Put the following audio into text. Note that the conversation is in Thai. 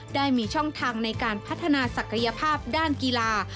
ได้มีช่องทางในการพัฒนาศักยภาพด้านกีฬา